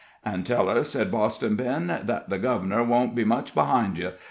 "An' tell her," said Boston Ben, "that the gov'nor won't be much behind you.